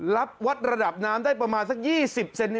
วัดระดับน้ำได้ประมาณสัก๒๐เซน